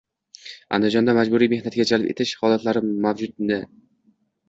Andijonda majburiy mehanatga jalb etish holatlari mavjudmi?ng